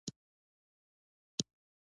آیا ناروغه څاروي حلاليږي؟